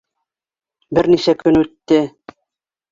Бер нисә көн үтте.